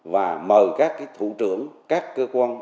và mời các thủ trưởng các cơ quan